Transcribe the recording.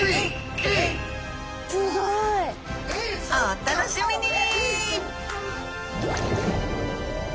おっ楽しみに！